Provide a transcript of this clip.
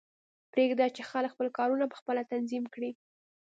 پریږده چې خلک خپل کارونه پخپله تنظیم کړي